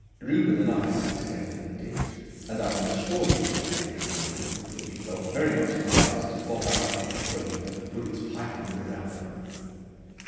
Reuben and I sat together in the ditch, and I can assure you, my dear grandchildren, that we felt very much inclined to bob our heads when we heard the bullets piping all around them.